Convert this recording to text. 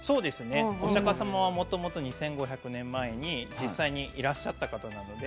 お釈迦様は２５００年前に実際にいらっしゃった方なので。